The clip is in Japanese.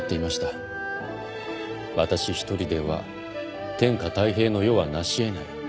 「私一人では天下泰平の世はなし得ない」